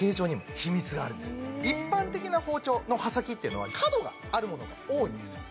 一般的な包丁の刃先っていうのは角があるものが多いんですよ